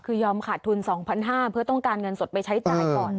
คือยอมขาดทุน๒๕๐๐บาทเพื่อต้องการเงินสดไปใช้จ่ายก่อน